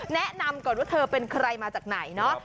แนะนำก่อนว่าเธอเป็นใครมาจากไหนเนาะ